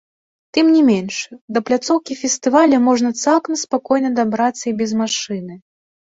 Тым не менш, да пляцоўкі фестываля можна цалкам спакойна дабрацца і без машыны.